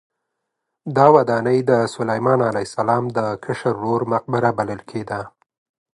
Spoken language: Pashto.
دا ودانۍ د سلیمان علیه السلام د کشر ورور مقبره بلل کېده.